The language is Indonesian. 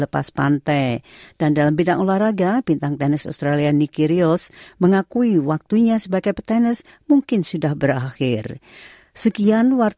berita terkini mengenai penyelidikan covid sembilan belas di indonesia